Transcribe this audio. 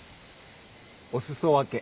お裾分け。